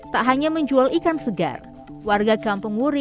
pak student bisa juga mengelol